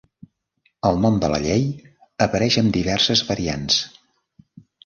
El nom de la llei apareix amb diverses variants.